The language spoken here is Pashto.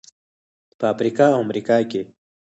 په افریقا او امریکا کې.